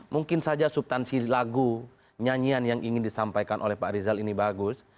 mungkin saja subtansi lagu nyanyian yang ingin disampaikan oleh pak rizal ini bagus